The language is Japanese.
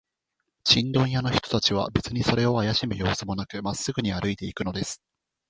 チンドン屋の人たちは、べつにそれをあやしむようすもなく、まっすぐに歩いていくのです。